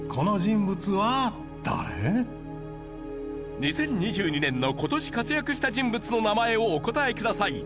２０２２年の今年活躍した人物の名前をお答えください。